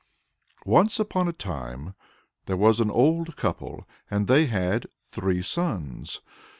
Once upon a time there was an old couple, and they had three sons.